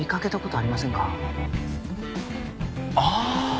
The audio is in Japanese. ああ！